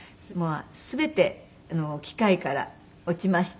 全ての器械から落ちまして。